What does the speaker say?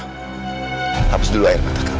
hapus dulu air mata kamu